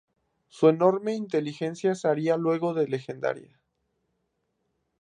Su enorme inteligencia se haría luego legendaria.